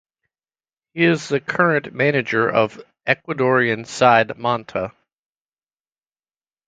He is the current manager of Ecuadorian side Manta.